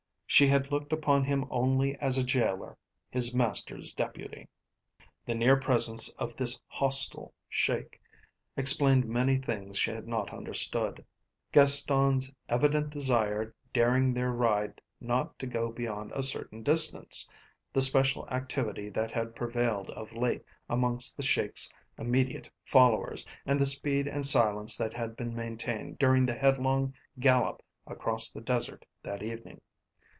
She had looked upon him only as a jailer, his master's deputy. The near presence of this hostile Sheik explained many things she had not understood: Gaston's evident desire daring their ride not to go beyond a certain distance, the special activity that had prevailed of late amongst the Sheik's immediate followers, and the speed and silence that had been maintained during the headlong gallop across the desert that evening.